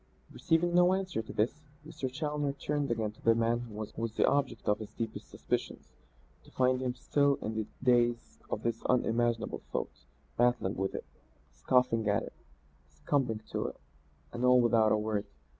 Receiving no answer to this, Mr. Challoner turned again to the man who was the object of his deepest suspicions, to find him still in the daze of that unimaginable thought, battling with it, scoffing at it, succumbing to it and all without a word.